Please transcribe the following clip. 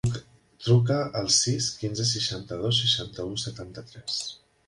Truca al sis, quinze, seixanta-dos, seixanta-u, setanta-tres.